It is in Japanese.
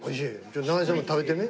中西さんも食べてみ。